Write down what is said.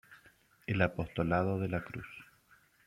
El Apostolado de la Cruz.